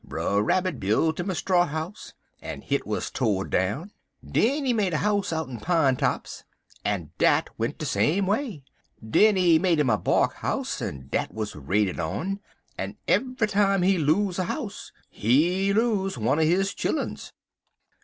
Brer Rabbit b'ilt 'im a straw house, en hit wuz tored down; den he made a house out'n pine tops, en dat went de same way; den he made 'im a bark house, en dat wuz raided on, en eve'y time he los' a house he los' one er his chilluns.